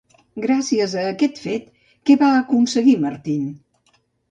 Gràcies a aquest fet, què va aconseguir Martín?